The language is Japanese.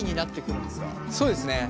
そうですね。